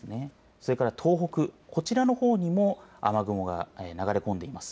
それから東北、こちらのほうにも雨雲が流れ込んでいます。